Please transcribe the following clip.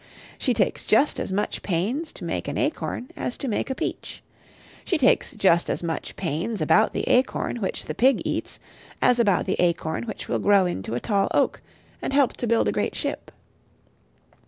She takes just as much pains to make an acorn as to make a peach. She takes just as much pains about the acorn which the pig eats, as about the acorn which will grow into a tall oak, and help to build a great ship.